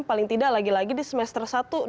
paling tidak lagi lagi di semester satu